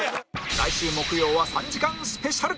来週木曜は３時間スペシャル